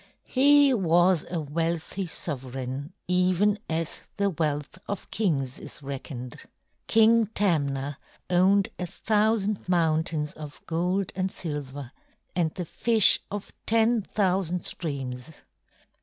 He was a wealthy sovereign even as the wealth of kings is reckoned. King Tamna owned a thousand mountains of gold and silver and the fish of ten thousand streams.